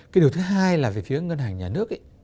cái điều thứ hai là về phía ngân hàng nhà nước ấy